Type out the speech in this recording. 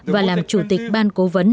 và làm chủ tịch ban cố vấn